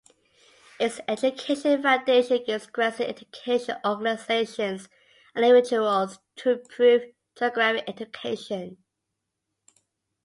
Its Education Foundation gives grants to education organizations and individuals to improve geography education.